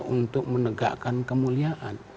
untuk menegakkan kemuliaan